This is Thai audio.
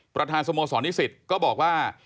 ประธานสโมสรนิสิตก็บอกว่า